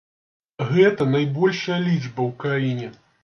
Гэта найбольшая лічба ў краіне.